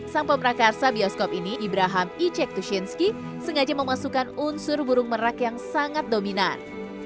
sang pemrakarsa bioskop ini ibraham icek tushinski sengaja memasukkan unsur burung merak yang sangat dominan